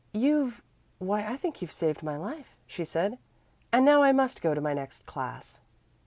"You've why I think you've saved my life," she said, "and now I must go to my next class."